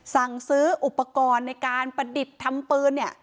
สั่งซื้ออุปกรณ์ในการประดิษฐ์ทำปืนเนี่ย